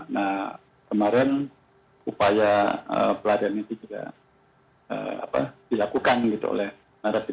nah kemarin upaya pelarian itu juga dilakukan oleh republik